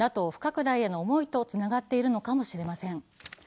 不拡大への思いとつながっているのかもしれません。